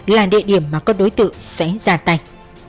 là địa điểm mà các đối tượng sẽ ra tay